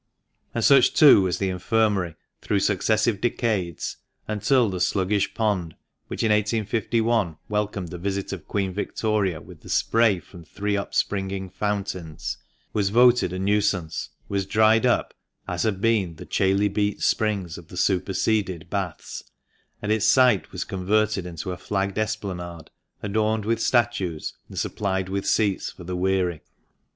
And such, too, was the Infirmary through successive decades, until the sluggish pond— which in 1851 welcomed the visit of Queen Victoria with the spray from three upspringing fountains — was voted a nuisance, was dried up, as had been the chalybeate springs of the superseded baths, and its site was converted into a flagged esplanade, adorned with statues, and supplied with seats for the wear}'.